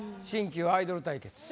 新旧アイドル対決。